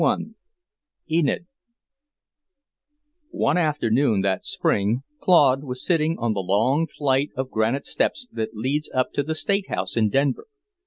Book Two: Enid I One afternoon that spring Claude was sitting on the long flight of granite steps that leads up to the State House in Denver.